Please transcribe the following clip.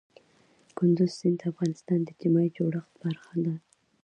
کندز سیند د افغانستان د اجتماعي جوړښت برخه ده.